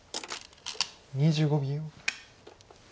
２５秒。